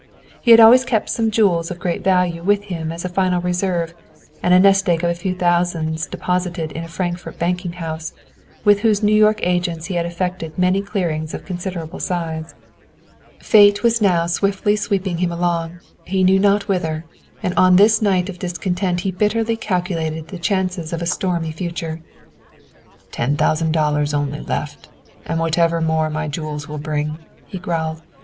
He had always kept some jewels of great value with him as a final reserve, and a nest egg of a few thousands deposited in a Frankfort banking house, with whose New York agents he had effected many clearings of considerable size. Fate was now swiftly sweeping him along, he knew not whither, and on this night of discontent he bitterly calculated the chances of a stormy future. "Ten thousand dollars only left, and whatever more my jewels will bring," he growled.